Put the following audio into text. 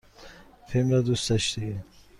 فیلم را دوست داشتی؟